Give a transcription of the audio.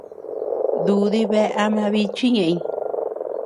Dúdi bea ama bichi ñeʼëñ.